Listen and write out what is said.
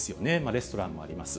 レストランもあります。